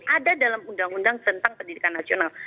ada dalam undang undang tentang pendidikan nasional